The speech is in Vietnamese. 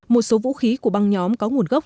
một số vũ khí của băng nhóm có nguồn gốc